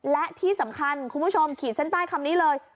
และที่สำคัญคุณผู้ชมขีดเส้นใต้คำนี้เลย